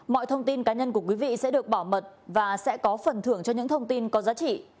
mọi thông tin cá nhân của quý vị sẽ được bảo mật và sẽ có phần thưởng cho những thông tin có giá trị